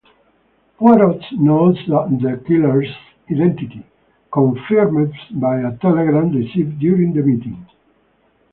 Poirot knows the killer's identity, confirmed by a telegram received during the meeting.